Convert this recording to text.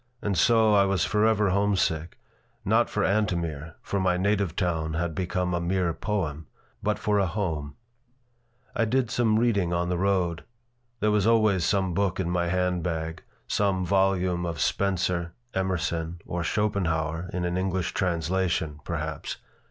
And so I was forever homesick, not for Antomir for my native town had become a mere poem but for a home I did some reading on the road. There was always some book in my hand bag some volume of Spencer, Emerson, or Schopenhauer (in an English translation), perhaps.